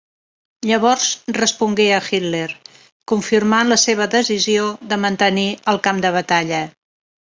Llavors respongué a Hitler confirmant la seva decisió de mantenir el camp de batalla.